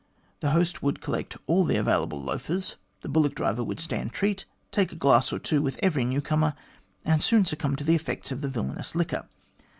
Then the host would collect all the available loafers, the bullock driver would stand treat, take a glass or two with every new comer, and soon succumb to the effects of the villainous liquor.